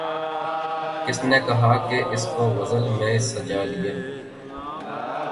کس نے کہا کہ اس کو غزل میں سجا لا